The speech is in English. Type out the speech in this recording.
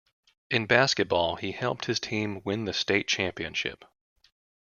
In basketball, he helped his team win the state championship.